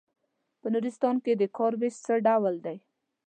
په نورستان کې د کار وېش څه ډول دی.